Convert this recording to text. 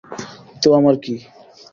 তো, আমার কি।